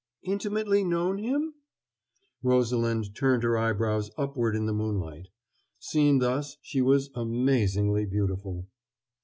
"Intimately known him?" Rosalind turned her eyebrows upward in the moonlight. Seen thus, she was amazingly beautiful.